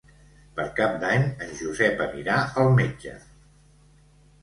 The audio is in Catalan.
Per Cap d'Any en Josep anirà al metge.